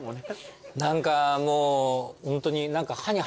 何かもうホントに。